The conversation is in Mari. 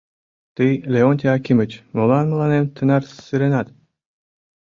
Тый, Леонтий Акимыч, молан мыланем тынар сыренат?